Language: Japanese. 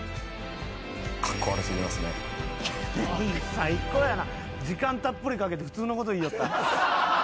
最高やな。